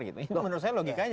menurut saya logikanya